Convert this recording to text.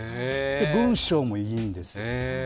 文章もいいんですよ。